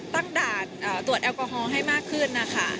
ตั้งด่านตรวจแอลกอฮอล์ให้มากขึ้นนะคะ